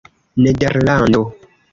nederlando